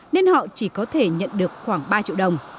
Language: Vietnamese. nên họ chỉ có thể nhận được khoảng ba triệu đồng